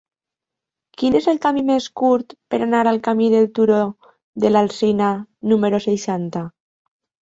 Quin és el camí més curt per anar al camí del Turó de l'Alzina número seixanta?